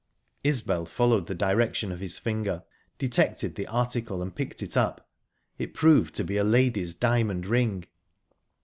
Isbel, following the direction of his finger, detected the article, and picked it up. It proved to be a lady's diamond ring.